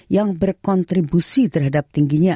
yang berkontribusi terhadap tingginya